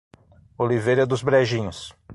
Oliveira dos Brejinhos